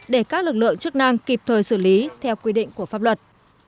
để các lực lượng chức năng kịp thời xử lý theo quy định của pháp luật